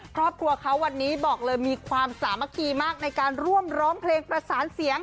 ครอบครัวเขาวันนี้บอกเลยมีความสามัคคีมากในการร่วมร้องเพลงประสานเสียง